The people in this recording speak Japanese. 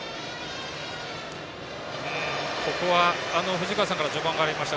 藤川さんから序盤にありました